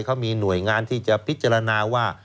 เขามีหน่วยงานที่จะพิจารณาว่า